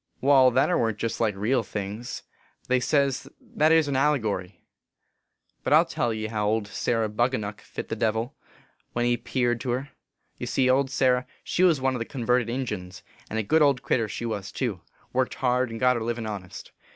" Wai, that ere warn t jest like real things : they say that ere s an allegory. But I ll tell ye how old Sarah Bunganuck fit the Devil, when he peared to her. Ye see, old Sarah she was one of the con verted Injuns, and a good old critter she was too ; worked* hard, and got her livin honest.